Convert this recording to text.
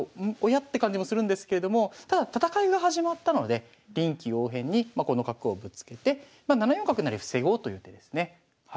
おや？って感じもするんですけれどもただ戦いが始まったので臨機応変にこの角をぶつけて７四角成防ごうという手ですね。